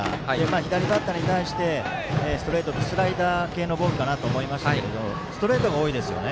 左バッターに対してストレートとスライダー系のボールかと思いましたがストレートが多いですね